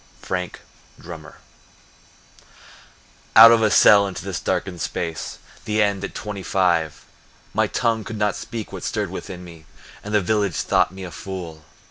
Frank Drummer Out of a cell into this darkened space— The end at twenty five! My tongue could not speak what stirred within me, And the village thought me a fool.